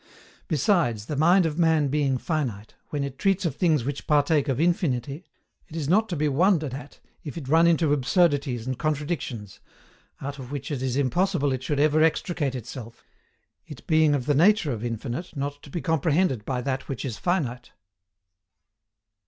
Besides, the mind of man being finite, when it treats of things which partake of infinity, it is not to be wondered at if it run into absurdities and contradictions, out of which it is impossible it should ever extricate itself, it being of the nature of infinite not to be comprehended by that which is finite.